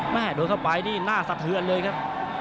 แม่โดนเข้าไปนี่หน้าสะทืวันเลยครับ